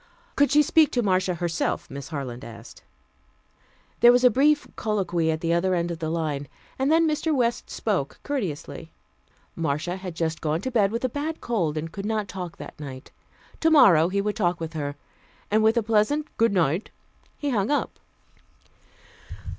Could she speak to Marcia herself, Miss Harland asked. There was a brief colloquy at the other end of the line, and then Mr. West spoke courteously. Marcia had just gone to bed with a bad cold, and could not talk that night. Tomorrow he would talk with her. And with a pleasant "Goodnight," he hung up.